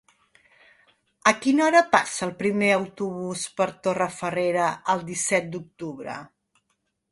A quina hora passa el primer autobús per Torrefarrera el disset d'octubre?